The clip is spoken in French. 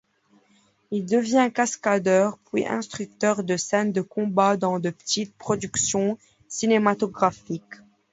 Il devient cascadeur puis instructeur de scènes de combats dans de petites productions cinématographiques.